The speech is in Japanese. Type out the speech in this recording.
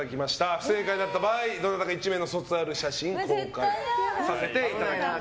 不正解だった場合どなたか１名の卒アル写真を公開させていただきます。